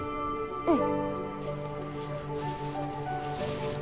うん。